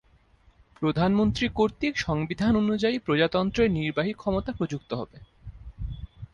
প্রধানমন্ত্রী কর্তৃক সংবিধান অনুযায়ী প্রজাতন্ত্রের নির্বাহী ক্ষমতা প্রযুক্ত হবে।